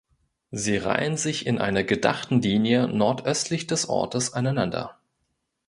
Sie reihen sich in einer gedachten Linie nordöstlich des Ortes aneinander.